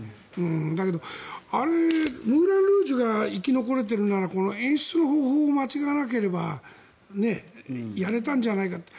だけど、あれムーラン・ルージュが生き残れているのは演出の方法を間違わなければやれたんじゃないかと。